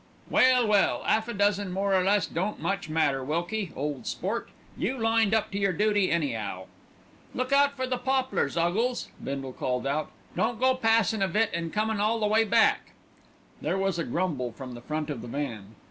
"Well, well, 'alf a dozen more or less don't much matter, Wilkie, old sport. You lined up to your duty, any'ow." "Look out for The Poplars, 'Uggles," Bindle called out. "Don't go passin' of it, an' comin' all the way back." There was a grumble from the front of the van.